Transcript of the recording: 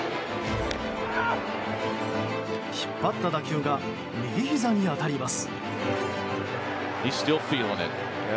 引っ張った打球が右ひざに当たります。